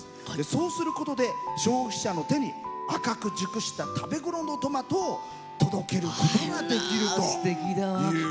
そうすることで消費者の手に赤く熟した食べ頃のトマトを届けることができるということなんです。